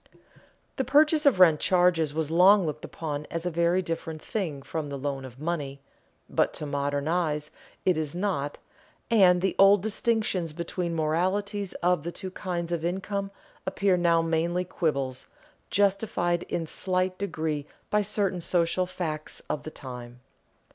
The purchase of rent charges was long looked upon as a very different thing from the loan of money, but to modern eyes it is not, and the old distinctions between the moralities of the two kinds of income appear now mainly quibbles, justified in a slight degree by certain social facts of the time.